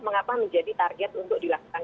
mengapa menjadi target untuk dilakukan